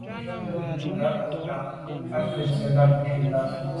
Tchúp bú nùngà mbə̄ mbà bú gə́ tɛ̀ɛ́n sə́’ láà’ ká bū làáp vút.